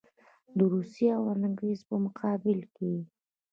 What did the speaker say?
د روسیې او انګرېز په مقابل کې.